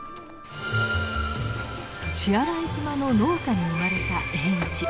血洗島の農家に生まれた栄一。